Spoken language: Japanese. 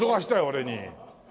俺に。